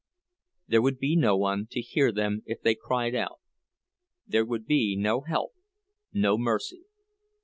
There would be no one to hear them if they cried out; there would be no help, no mercy.